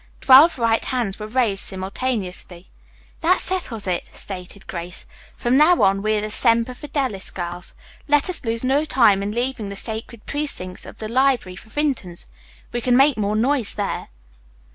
Twelve right hands were raised simultaneously. "That settles it," stated Grace. "From now on we are the Semper Fidelis girls. Let us lose no time in leaving the sacred precincts of the library for Vinton's. We can make more noise there."